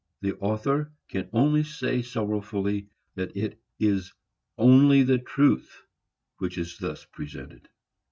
The author can only say, sorrowfully, that it is only the truth which is thus presented.